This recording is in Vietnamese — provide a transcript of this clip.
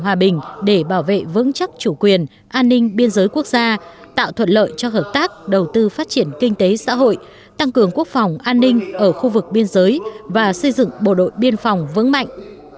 hòa bình để bảo vệ vững chắc chủ quyền an ninh biên giới quốc gia tạo thuận lợi cho hợp tác đầu tư phát triển kinh tế xã hội tăng cường quốc phòng an ninh ở khu vực biên giới và xây dựng bộ đội biên phòng vững mạnh